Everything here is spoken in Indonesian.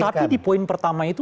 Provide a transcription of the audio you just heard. tapi di poin pertama itu